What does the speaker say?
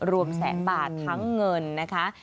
รวมแสนบาททั้งเงินนะคะ